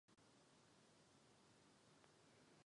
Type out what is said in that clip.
Tato deska je považována za oficiální debut kapely.